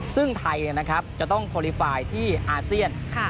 ซึ่งไทยเนี่ยนะครับจะต้องทรีปไฟล์ที่อาเชียนค่ะ